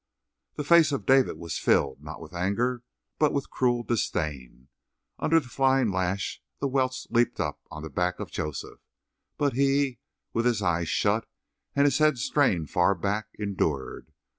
The face of David was filled, not with anger, but with cruel disdain; under his flying lash the welts leaped up on the back of Joseph, but he, with his eyes shut and his head strained far back, endured.